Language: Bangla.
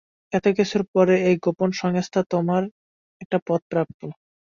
এত কিছুর পরে, এই গোপন সংস্থায় তোমার একটা পদ প্রাপ্য।